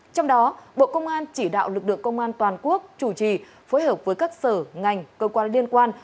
trong đó bộ công an chỉ đạo lực lượng công an toàn quốc chủ trì phối hợp với các sở ngành cơ quan liên quan